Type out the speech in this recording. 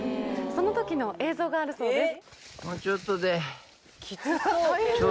その時の映像があるそうです。